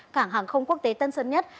cảng hàng không quốc tế tân sơn nhất